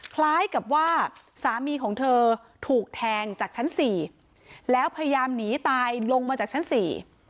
คล้ายกับว่าสามีของเธอถูกแทงจากชั้นสี่แล้วพยายามหนีตายลงมาจากชั้นสี่